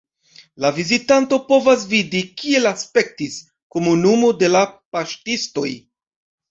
La vizitanto povas vidi, kiel aspektis komunumo de la paŝtistoj.